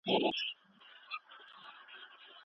د ژوند حق د ساتلو وړ دی.